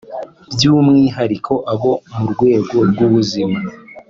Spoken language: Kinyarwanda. by’umwihariko abo mu rwego rw’ubuzima